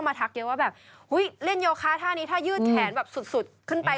มีมดลูกหอหุ้มอยู่ค่ะพี่